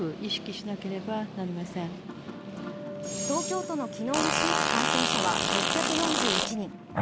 東京都の昨日の新規感染者は６４１人。